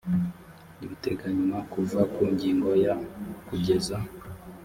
ibiteganywa kuva ku ngingo ya kugeza